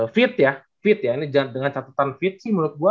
fit ya fit ya ini dengan catatan fit sih menurut gue